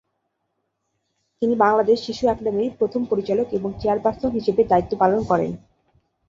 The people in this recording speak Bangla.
তিনি বাংলাদেশ শিশু একাডেমীর প্রথম পরিচালক এবং চেয়ারপার্সন হিসেবে দায়িত্ব পালন করেন।